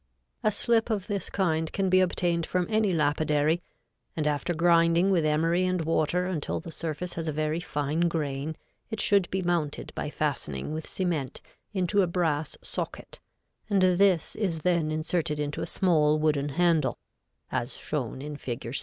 A slip of this kind can be obtained from any lapidary, and after grinding with emery and water until the surface has a very fine grain, it should be mounted by fastening with cement into a brass socket and this is then inserted into a small wooden handle, as shown in Fig.